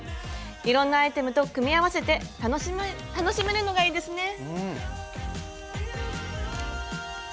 いろんなアイテムと組み合わせて楽しめるのがいいですね。